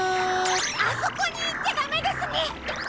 あそこにいっちゃダメですね！